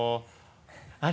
あれ？